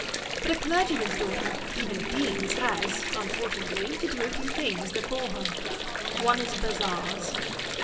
But a clergyman's daughter, even a dean's, has, unfortunately, to do a few things that bore her. One is bazaars.